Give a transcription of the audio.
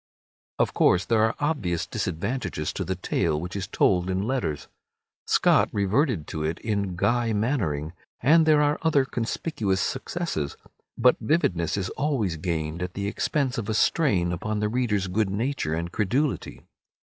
Of course, there are obvious disadvantages to the tale which is told in letters. Scott reverted to it in "Guy Mannering," and there are other conspicuous successes, but vividness is always gained at the expense of a strain upon the reader's good nature and credulity.